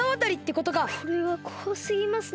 これはこわすぎますね。